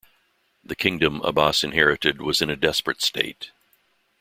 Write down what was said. The kingdom Abbas inherited was in a desperate state.